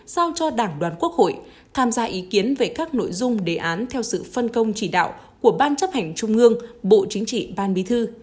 sao cho đảng đoàn quốc hội tham gia ý kiến về các nội dung đề án theo sự phân công chỉ đạo của ban chấp hành trung ương bộ chính trị ban bí thư